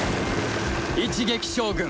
一撃将軍